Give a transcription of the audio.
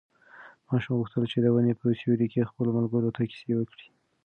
ماشوم غوښتل چې د ونې په سیوري کې خپلو ملګرو ته کیسې وکړي.